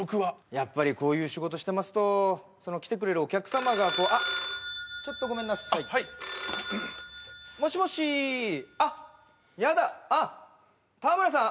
やっぱりこういう仕事してますと来てくれるお客様があっちょっとごめんなさいはいもしもしあっヤダあっタムラさん